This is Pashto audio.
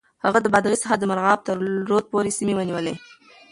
هغه د بادغيس څخه د مرغاب تر رود پورې سيمې ونيولې.